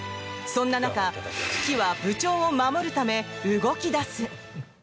そんな中、九鬼は部長を守るため動き出す。